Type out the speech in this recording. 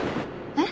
えっ！？